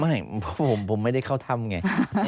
ไม่ผมไม่ได้เข้าถ้ำไง